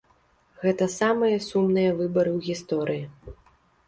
Гэта самыя сумныя выбары ў гісторыі.